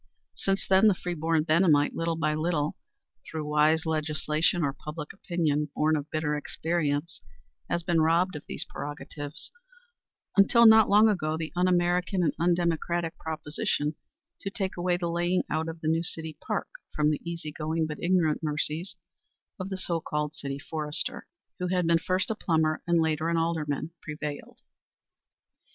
Since then the free born Benhamite, little by little, through wise legislation or public opinion, born of bitter experience, has been robbed of these prerogatives until, not long ago, the un American and undemocratic proposition to take away the laying out of the new city park from the easy going but ignorant mercies of the so called city forester, who had been first a plumber and later an alderman, prevailed.